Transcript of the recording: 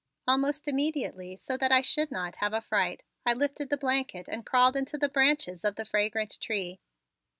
Almost immediately, so that I should not have a fright, I lifted the blanket and crawled into the branches of the fragrant tree.